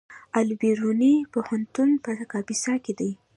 د البیروني پوهنتون په کاپیسا کې دی